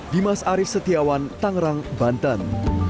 dimas arief setiawan tangerang banten